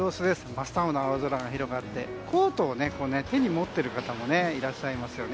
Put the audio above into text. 真っ青な青空が広がってコートを手に持っている方もいらっしゃいますよね。